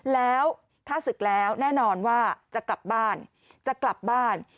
แล้วถ้าศึกแล้วแน่นอนว่าจะกลับบ้าน